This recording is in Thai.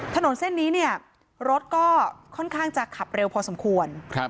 ถนนเส้นนี้เนี่ยรถก็ค่อนข้างจะขับเร็วพอสมควร